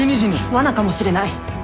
わなかもしれない。